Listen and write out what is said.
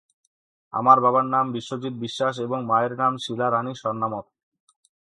আমার বাবার নাম বিশ্বজিৎ বিশ্বাস এবং মায়ের নাম শীলা রাণী সন্নামত।